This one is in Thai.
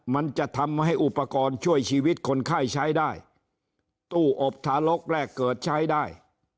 มันจะทำให้อุปกรณ์ช่วยชีวิตคนไข้ใช้ได้ตู้อบทารกแรกเกิดใช้ได้